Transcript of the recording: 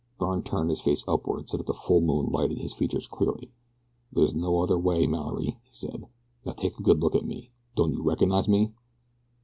Byrne turned his face upward so that the full moon lighted his features clearly. "There is no other way, Mallory," he said. "Now take a good look at me don't you recognize me?"